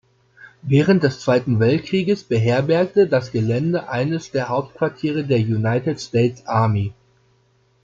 Während des Zweiten Weltkrieges beherbergte das Gelände eines der Hauptquartiere der United States Army.